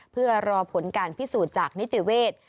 เพื่อรอผลการพิสูจน์จากนิติเวทย์